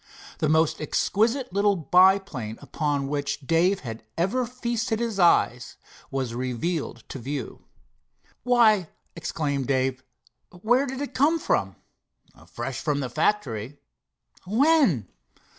The most exquisite little biplane upon which Dave had ever feasted his eyes was revealed to view. "Why," exclaimed Dave, "where did it come from?" "Fresh from the factory." "When?"